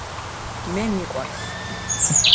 მე მიყვარს